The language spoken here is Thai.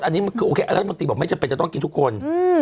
อันนี้คือโอเครัฐมนตรีบอกไม่จำเป็นจะต้องกินทุกคน